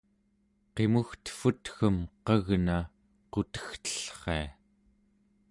qimugtevvut-ggem qagna qutegtellria